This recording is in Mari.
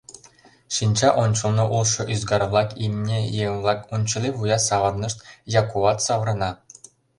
Шинча ончылно улшо ӱзгар-влак, имне, еҥ-влак унчыли вуя савырнышт, Якуат савырна...